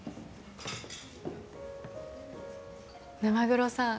沼黒さん